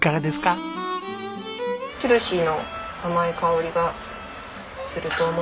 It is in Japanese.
トゥルシーの甘い香りがすると思うので。